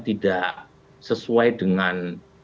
tidak sesuai dengan